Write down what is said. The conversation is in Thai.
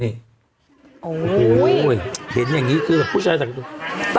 นี่โอ้โห้ยเห็นอย่างงี้คือผู้ชายสักเต็มตัว